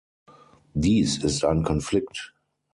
Dies ist ein Konflikt.